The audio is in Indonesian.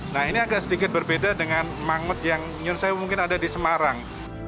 nah ini agak sedikit berbeda dengan mangut yang nyun saya mungkin ada di semarang